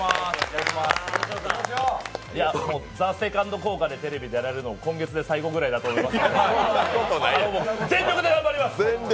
「ＴＨＥＳＥＣＯＮＤ」効果でテレビに出られるのも今月で最後ぐらいだと思いますので、全力で頑張ります。